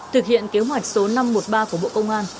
thực hiện kế hoạch số năm trăm một mươi ba của bộ công an